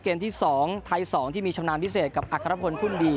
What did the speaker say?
เกมที่สองไทยสองที่มีชำนาญพิเศษกับอัครพลทุ่นบี